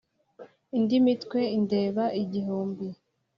Indi mitwe indeba igihumbi,